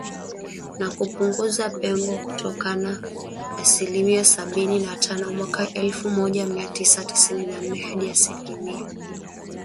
Na kupunguza pengo kutoka asilimia sabini na tano mwaka elfu moja mia tisa tisini na nne hadi asilimia kumi na saba mwishoni mwa kipindi hicho